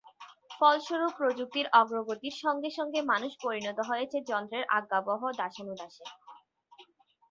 ফলস্বরূপ প্রযুক্তির অগ্রগতির সঙ্গে সঙ্গে মানুষ পরিণত হয়েছে যন্ত্রের আজ্ঞাবহ দাসানুদাসে।